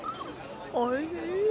おいしい！